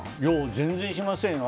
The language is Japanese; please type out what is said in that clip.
全然しませんよ。